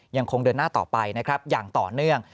ยังคงเดินหน้าต่อไปนะครับอย่างต่อเนื่อง